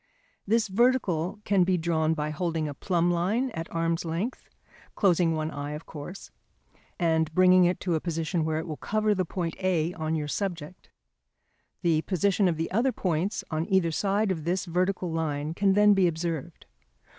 This vertical can be drawn by holding a plumb line at arm's length (closing one eye, of course) and bringing it to a position where it will cover the point A on your subject. The position of the other points on either side of this vertical line can then be observed.